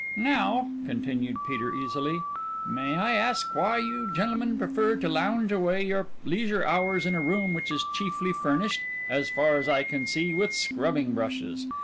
"Now," continued Peter easily, "may I ask why you gentlemen prefer to lounge away your leisure hours in a room which is chiefly furnished, as far as I can see, with scrubbing brushes.